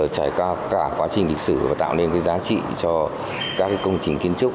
trải qua cả quá trình lịch sử và tạo nên giá trị cho các công trình kiến trúc